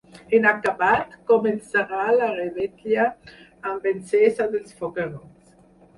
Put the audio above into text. En acabat, començarà la revetlla, amb l’encesa dels foguerons.